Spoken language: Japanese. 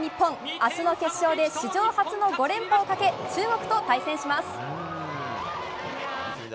明日の決勝で、史上初の５連覇をかけ中国と対戦します。